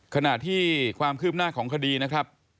ขณะที่ความคืบหน้าของคดีนะครับ